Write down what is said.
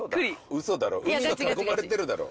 ウソだろ海に囲まれているだろう